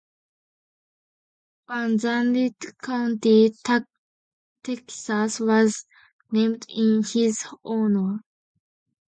Van Zandt County, Texas, was named in his honor.